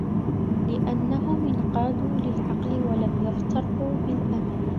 لِأَنَّهُمْ انْقَادُوا لِلْعَقْلِ وَلَمْ يَغْتَرُّوا بِالْأَمَلِ